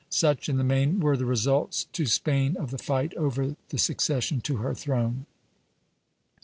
Such, in the main, were the results to Spain of the fight over the succession to her throne.